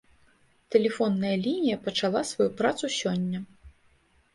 Тэлефонная лінія пачала сваю працу сёння.